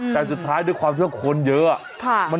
แต่สุดท้ายด้วยความช่วยคนเยอะอะค่ะ